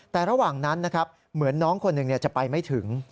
แต่ระหว่างนั้นนะครับเหมือนน้องคนหนึ่งจะไปไม่ถึง